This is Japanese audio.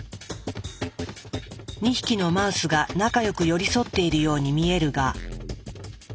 ２匹のマウスが仲良く寄り添っているように見えるが。